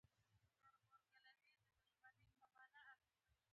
په کان کې تر سرو زرو د درې فوټه واټن کيسه مشهوره ده.